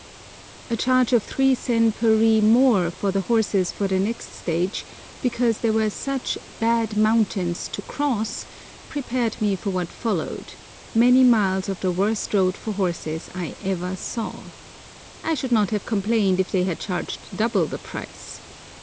A CHARGE of 3 sen per ri more for the horses for the next stage, because there were such "bad mountains to cross," prepared me for what followed—many miles of the worst road for horses I ever saw. I should not have complained if they had charged double the price.